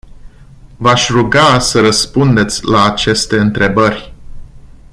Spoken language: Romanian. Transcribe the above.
V-aș ruga să răspundeți la aceste întrebări.